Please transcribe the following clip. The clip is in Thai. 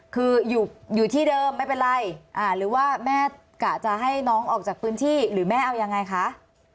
คืออยู่ที่เดิมไม่เป็นไรหรือว่าแม่กะจะให้น้องออกจากพื้นที่หรือแม่เอายังไงคะ